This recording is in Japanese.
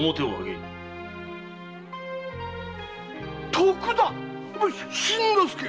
徳田新之助！